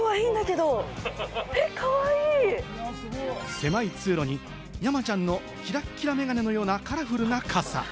狭い通路に山ちゃんのキラッキラ眼鏡のようなカラフルな傘。